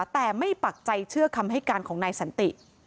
แต่ไม่ปักใจเชื่อคำให้การของนายสันติ